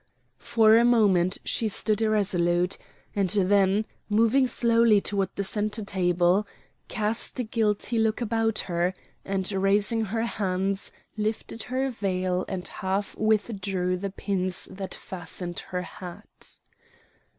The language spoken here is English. For a moment she stood irresolute, and then, moving slowly toward the centre table, cast a guilty look about her and, raising her hands, lifted her veil and half withdrew the pins that fastened her hat.